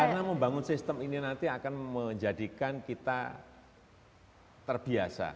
karena membangun sistem ini nanti akan menjadikan kita terbiasa